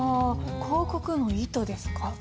広告の意図ですか。